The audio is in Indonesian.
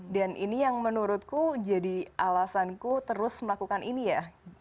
dan ini yang menurutku jadi alasanku terus melakukan ini ya